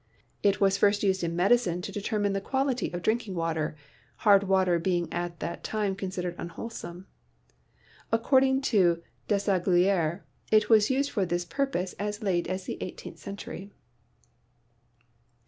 It was first used in medicine, to determine the quality of drinking water, hard water being at that time considered unwhole some. According to Desaguliers, it was used for this pur pose as late as the eighteenth century.